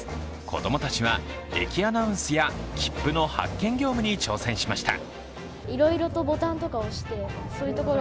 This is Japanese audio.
子供たちは駅アナウンスや切符の発券業務に挑戦しました。